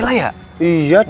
besok kan semangat